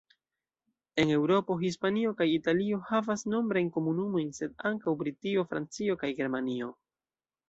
En Eŭropo, Hispanio kaj Italio havas nombrajn komunumojn sed ankaŭ Britio, Francio kaj Germanio.